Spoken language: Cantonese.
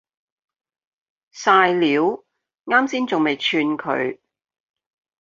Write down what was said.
曬料，岩先仲未串佢